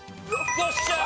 よっしゃー！